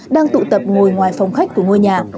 đang tụ tập ngồi ngoài phòng khách của ngôi nhà